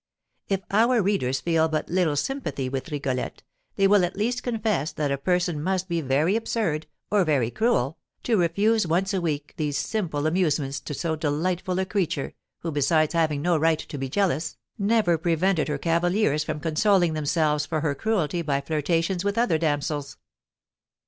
If our readers feel but little sympathy with Rigolette, they will at least confess that a person must be very absurd, or very cruel, to refuse once a week these simple amusements to so delightful a creature, who, besides having no right to be jealous, never prevented her cavaliers from consoling themselves for her cruelty by flirtations with other damsels.